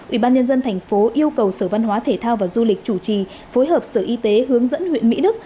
ủy ban nhân dân thành phố yêu cầu sở văn hóa thể thao và du lịch chủ trì phối hợp sở y tế hướng dẫn huyện mỹ đức